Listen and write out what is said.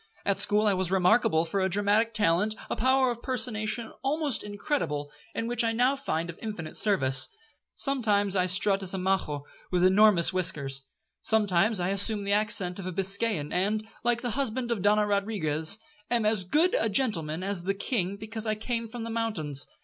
At school I was remarkable for a dramatic talent, a power of personation almost incredible, and which I now find of infinite service. Sometimes I strut as a Majo,1 with enormous whiskers. Sometimes I assume the accent of a Biscayan, and, like the husband of Donna Rodriguez, 'am as good a gentleman as the king, because I came from the mountains.'